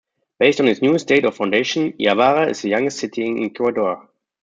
Based on its newest date of foundation, Ibarra is the youngest city in Ecuador.